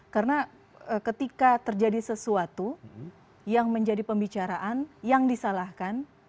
karena ketika terjadi sesuatu yang menjadi pembicaraan yang disalahkan